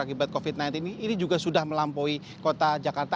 akibat covid sembilan belas ini juga sudah melampaui kota jakarta